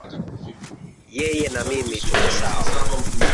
Yeye na mimi tuko sawa